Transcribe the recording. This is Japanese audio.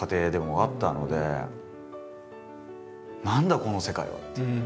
この世界はっていう。